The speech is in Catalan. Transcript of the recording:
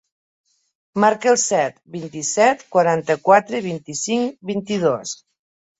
Marca el set, vint-i-set, quaranta-quatre, vint-i-cinc, vint-i-dos.